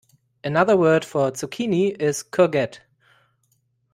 Another word for zucchini is courgette